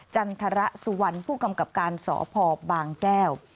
จันทรสุวรรณผู้กำกับการสพบางแก้ว